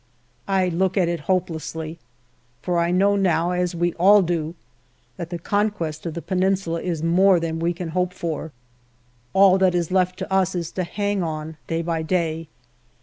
I look at it hopelessly for I know now, as we all do, that the conquest of the Peninsula is more than we can hope for. All that is left to us is to hang on day by day.